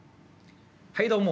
はいどうも。